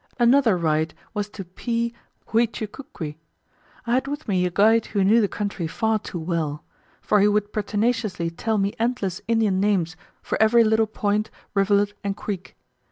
Another ride was to P. Huechucucuy. I had with me a guide who knew the country far too well; for he would pertinaciously tell me endless Indian names for every little point, rivulet, and creek.